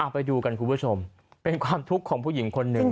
ไปดูกันคุณผู้ชมเป็นความทุกข์ของผู้หญิงคนหนึ่ง